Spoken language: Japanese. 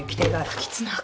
不吉な赤。